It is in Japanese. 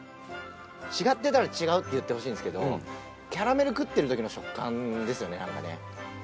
違ってたら違うって言ってほしいんですけどキャラメル食ってる時の食感ですよね何かね。